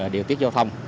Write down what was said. điều tiết giao thông